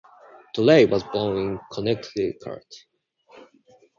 Torrey was born in Connecticut.